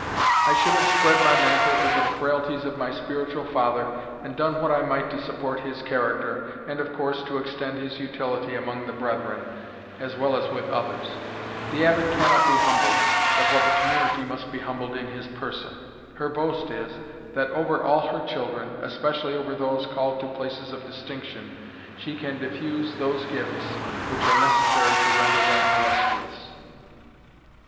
I should have spread my mantle over the frailties of my spiritual father, and done what I might to support his character, and, of course, to extend his utility among the brethren, as well as with others. The Abbot cannot be humbled, but what the community must be humbled in his person. Her boast is, that over all her children, especially over those called to places of distinction, she can diffuse those gifts which are necessary to render them illustrious."